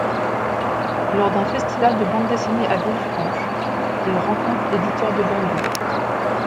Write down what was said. Lors d'un festival de bande dessinée à Villefranche, il rencontre l'éditeur de Bamboo.